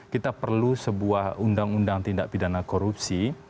kita perlu sebuah undang undang tindak pidana korupsi